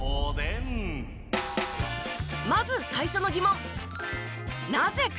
まず最初の疑問。